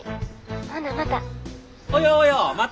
ほなまた。